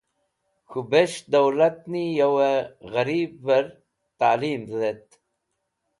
K̃hũ bes̃h dowlatẽni yawẽ ghẽribvẽr talim dhet.